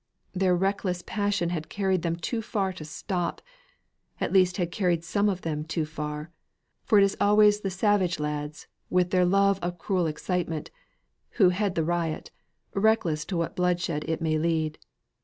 Their reckless passion had carried them too far to stop at least had carried some of them too far; for it is always the savage lads, with their love of cruel excitement, who head the riot reckless to what bloodshed it may lead.